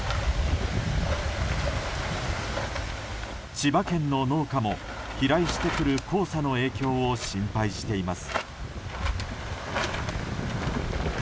千葉県の農家も飛来してくる黄砂の影響を心配しています。